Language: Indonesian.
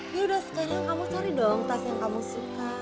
ya ya ya ya sekarang kamu cari dong tas yang kamu suka